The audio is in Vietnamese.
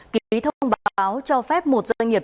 ký thông báo cho phép một doanh nghiệp